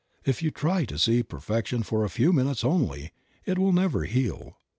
If you try to see perfection for a few minutes only, it will never heal.